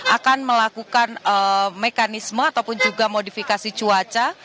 akan melakukan mekanisme ataupun juga modifikasi cuaca